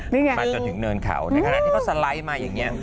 นี่ไงมาจนถึงเนินเขาในขณะที่เขาสไลด์มาอย่างนี้